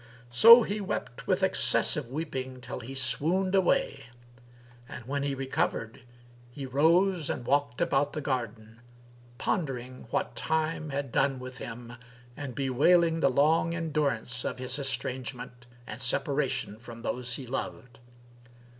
So he wept with excessive weeping till he swooned away and, when he recovered, he rose and walked about the garden, pondering what Time had done with him and bewailing the long endurance of his estrangement and separation from those he loved.